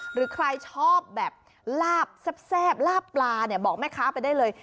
หรือใครชอบแบบลาบแซ่บลาบปลาเนี่ยบอกแม่ค้าไปได้เลย